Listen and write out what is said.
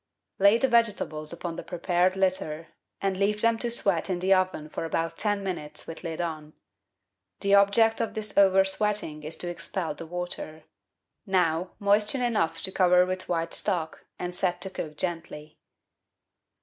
Lay the vegetables upon the prepared litter, and leave them to sweat in the oven for about ten minutes with lid on. The object of this oven sweating is to expel the water. Now moisten enough to cover with white stock, and set to cook gently.